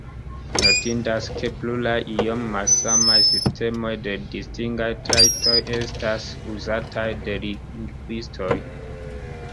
Notindas, ke pluraj iom malsamaj sistemoj de distingaj trajtoj estas uzataj de lingvistoj.